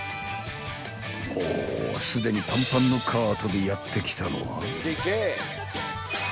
［ほうすでにパンパンのカートでやって来たのは］